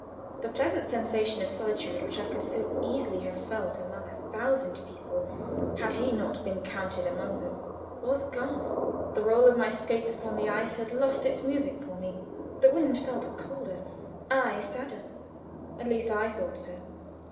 The pleasant sensation of solitude, which I could so easily have felt among a thousand people had he not been counted among them, was gone. The roll of my skates upon the ice had lost its music for me; the wind felt colder I sadder. At least I thought so.